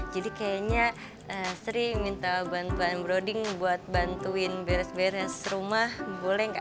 jadi kayaknya sri minta bantuan broding buat bantuin beres beres rumah boleh enggak